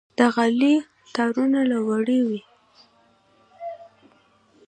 د غالۍ تارونه له وړۍ وي.